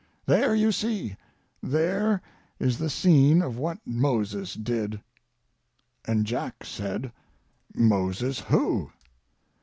There you see—there is the scene of what Moses did." And Jack said: "Moses who?"